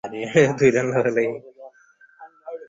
ঠিক এই সময়ে কুমুর আবার বাঁ চোখ নাচল।